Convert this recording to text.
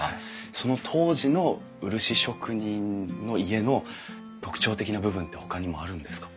その当時の漆職人の家の特徴的な部分ってほかにもあるんですか？